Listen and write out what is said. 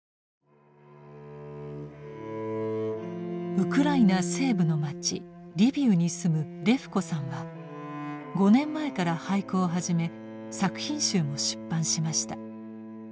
ウクライナ西部の町リビウに住むレフコさんは５年前から俳句を始め作品集も出版しました。